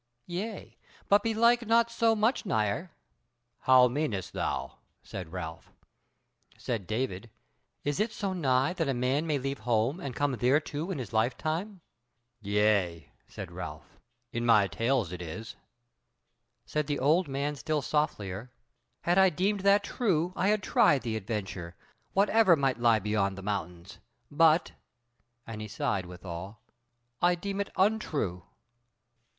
Yea, but belike not so much nigher." "How meanest thou?" said Ralph. Said David: "Is it so nigh that a man may leave home and come thereto in his life time?" "Yea," said Ralph, "in my tales it is." Said the old man still softlier: "Had I deemed that true I had tried the adventure, whatever might lie beyond the mountains, but (and he sighed withal) I deem it untrue."